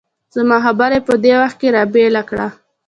زما خبره یې په دې وخت کې را بېل کړه.